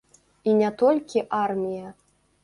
І не толькі армія.